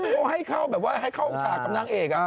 เขาให้เข้าองคชาติกับนังเอก